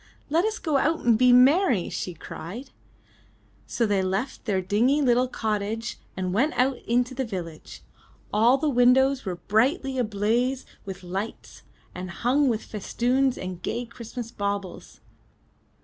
*'Let us go out and be merry! she cried. So they left their dingy little cottage and went out into the village. All the windows were brightly ablaze 305 M Y B O O K H O U S E with lights, and hung with festoons and gay Christmas baubles.